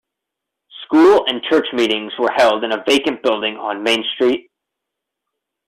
School and church meetings were held in a vacant building on Main Street.